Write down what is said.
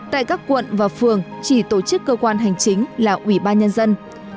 tại các quận và phường chỉ tổ chức cơ quan hành chính là ủy ban nhân dân